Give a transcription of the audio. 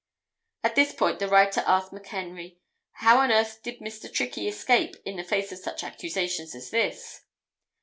At this point the writer asked McHenry, "How on earth did Mr. Trickey escape, in the face of such accusations as this?"